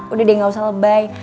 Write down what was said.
udah dia gak usah lebay